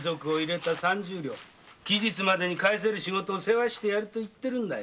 期日までに返せる仕事を世話してやるんだよ。